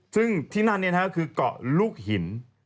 ซึ่งที่นั่นเนี่ยนะฮะก็คือเกาะลูกหิน